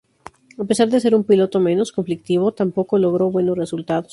A pesar de ser un piloto menos conflictivo, tampoco logró buenos resultados.